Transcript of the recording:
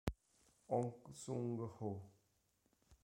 Hong Sung-ho